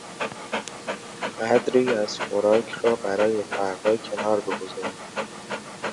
قدری از خوراک را برای فردا کنار بگذار.